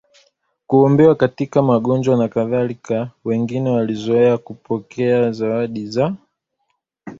kuombewa katika magonjwa nk Wengine walizoea kupokea zawadi za